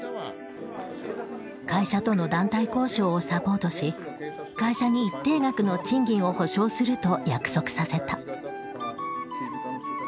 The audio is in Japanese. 会社との団体交渉をサポートし会社に一定額の賃金を補償すると約束させた。